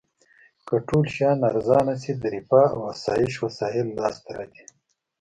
که ټول شیان ارزانه شي د رفاه او اسایش وسایل لاس ته راځي.